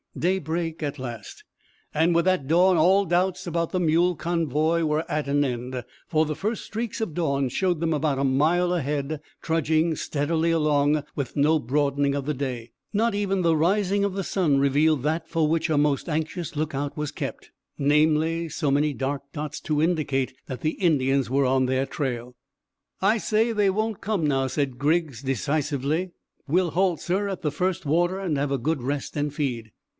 Daybreak at last, and with that dawn all doubts about the mule convoy were at an end, for the first streaks of dawn showed them about a mile ahead, trudging steadily along, while no broadening of the day, not even the rising of the sun, revealed that for which a most anxious lookout was kept, namely, so many dark dots to indicate that the Indians were on their trail. "I say they won't come now," said Griggs decisively. "We'll halt, sir, at the first water, and have a good rest and feed."